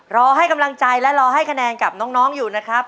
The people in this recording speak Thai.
รอให้กำลังใจและรอให้คะแนนกับน้องอยู่นะครับ